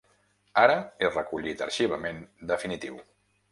Ara he recollit arxivament definitiu.